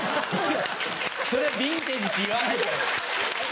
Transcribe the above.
それはビンテージって言わないから。